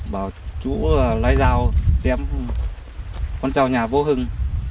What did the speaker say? bảo chú lấy rau chém con cháu nhà vô hừng